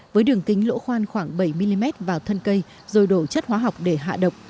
với đường kính lỗ khoan khoảng bảy mm vào thân cây rồi đổ chất hóa học để hạ độc